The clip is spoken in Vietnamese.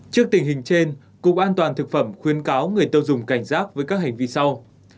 trước tình hình trên cục an toàn thực phẩm khuyên cáo người tiêu dùng cảnh giác với các hành vi sau